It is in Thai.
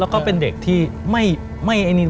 แล้วก็เป็นเด็กที่ไม่